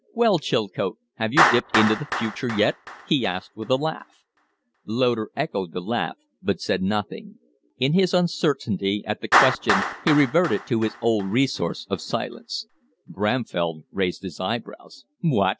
"Well, Chilcote, have you dipped into the future yet?" he asked, with a laugh. Loder echoed the laugh but said nothing. In his uncertainty at the question he reverted to his old resource of silence. Bramfell raised his eyebrows. "What!"